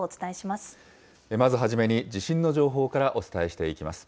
まずはじめに地震の情報からお伝えしていきます。